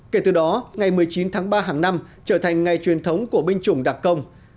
kể từ đó ngày một mươi chín tháng ba hàng năm trở thành ngày truyền thống của binh chủng đặc công